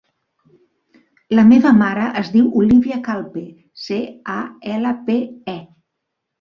La meva mare es diu Olívia Calpe: ce, a, ela, pe, e.